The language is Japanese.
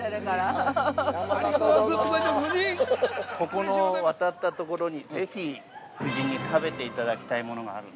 ◆ここの渡ったところにぜひ夫人に食べていただきたいものがある。